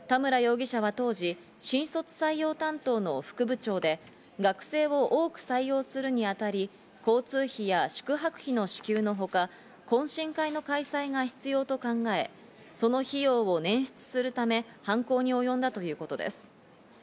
田村容疑者は当時、新卒採用担当の副部長で、学生を多く採用するにあたり、交通費や宿泊費の支給のほか、懇親会の開催も必要と考え、その費用を捻出するため、犯行におよんだということです。